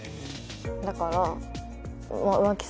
だから。